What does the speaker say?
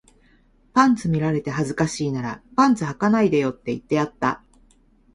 パンツ見られて恥ずかしいならパンツ履かないでよって言ってやった